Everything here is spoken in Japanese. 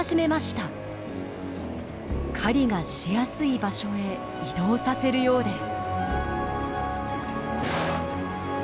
狩りがしやすい場所へ移動させるようです。